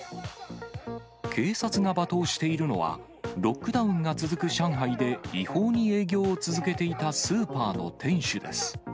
警察が罵倒しているのはロックダウンが続く上海で、違法に営業を続けていたスーパーの店主です。